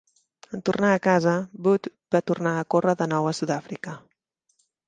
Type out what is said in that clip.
En tornar a casa, Budd va tornar a córrer de nou a Sud-àfrica.